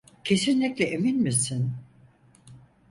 Kesinlikle emin misin?